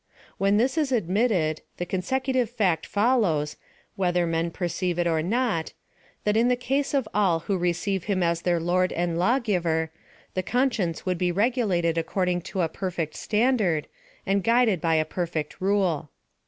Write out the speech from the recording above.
When this is ad mitted, the consecutive fact follows, whether rueti perceive it or not, that in the case of all who re ceive him as their Lord and lawgiver, the conscience would be regulated according to a perfect standard^ and guided by a perfect rule.